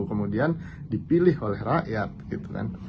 kemudian dipilih oleh rakyat gitu kan